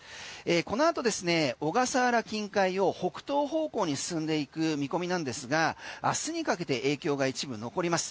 この後ですね小笠原近海を北東方向に進んでいく見込みですが明日にかけて影響が一部残ります。